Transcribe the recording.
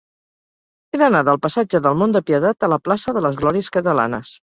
He d'anar del passatge del Mont de Pietat a la plaça de les Glòries Catalanes.